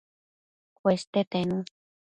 Cueste tenu